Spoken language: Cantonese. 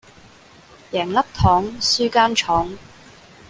贏粒糖輸間廠